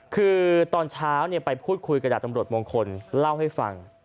คือตอนเช้าไปพูดคุยกับดาบตำรวจมงคลเล่าให้ฟัง